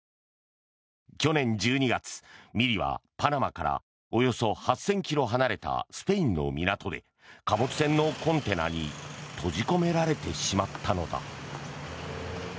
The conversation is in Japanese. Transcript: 去年１２月、ミリはパナマからおよそ８０００ｋｍ離れたスペインの港で貨物船のコンテナに閉じ込められてしまったのだ。